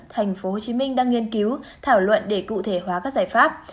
tp hcm đang nghiên cứu thảo luận để cụ thể hóa các giải pháp